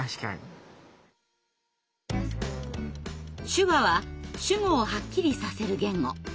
手話は主語をはっきりさせる言語。